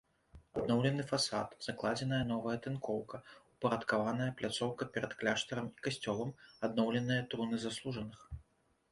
Адноўлены фасад, закладзеная новая тынкоўка, упарадкаваная пляцоўка перад кляштарам і касцёлам, адноўленыя труны заслужаных.